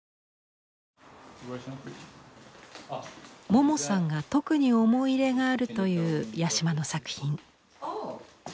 モモさんが特に思い入れがあるという八島の作品。